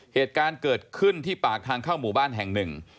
เหตุการณ์เกิดขึ้นที่ปากทางเข้าหมู่บ้านแห่งหนึ่ง